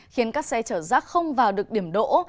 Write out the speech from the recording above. khiến các xe chở rác không vào được điểm đỗ